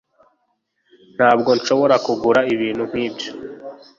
ntabwo nshobora kugura ibintu nkibyo